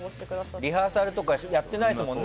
リハーサルとかやってないですもんね。